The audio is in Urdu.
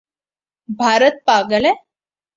بھارت پاگل ہے